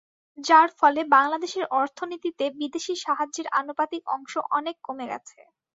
যার ফলে বাংলাদেশের অর্থনীতিতে বিদেশি সাহায্যের আনুপাতিক অংশ অনেক কমে গেছে।